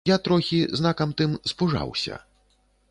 Я трохі, знакам тым, спужаўся.